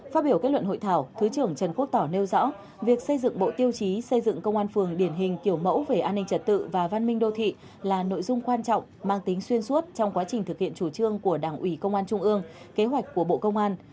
phát biểu kết luận hội thảo thứ trưởng trần quốc tỏ nêu rõ việc xây dựng bộ tiêu chí xây dựng công an phường điển hình kiểu mẫu về an ninh trật tự và văn minh đô thị là nội dung quan trọng mang tính xuyên suốt trong quá trình thực hiện chủ trương của đảng ủy công an trung ương kế hoạch của bộ công an